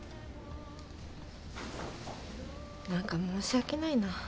何か申し訳ないな。